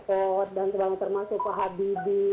dan kemudian termasuk pak habibie